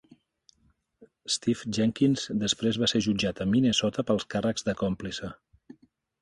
Stif Jenkins després va ser jutjat a Minnesota pels càrrecs de còmplice.